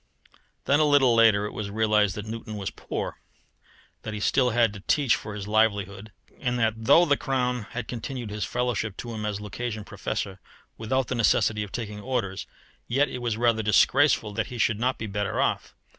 Then a little later it was realized that Newton was poor, that he still had to teach for his livelihood, and that though the Crown had continued his fellowship to him as Lucasian Professor without the necessity of taking orders, yet it was rather disgraceful that he should not be better off.